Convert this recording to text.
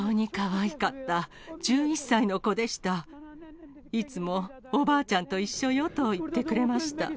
いつもおばあちゃんと一緒よと言ってくれました。